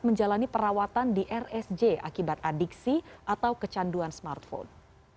menjalani perawatan di rsj akibat adiksi atau kecanduan smartphone